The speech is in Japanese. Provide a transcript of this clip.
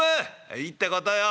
「いいってことよ。